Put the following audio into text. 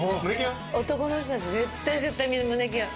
男の人たち絶対絶対みんな胸キュン。